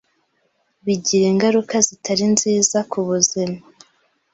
bigira ingaruka zitari nziza ku buzima